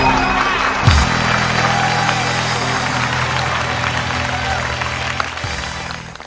สู้ค่ะ